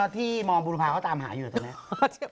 ที่มบุรุภาคตามหาอยู่ตรงนั้น